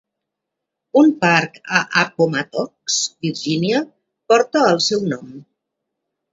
Un parc a Appomattox, Virgínia, porta el seu nom.